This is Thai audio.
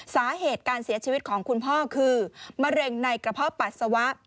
สาเหตุการเสียชีวิตของคุณพ่อคือมะเร็งในกระเพาะปัสสาวะ